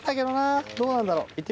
どうなんだろう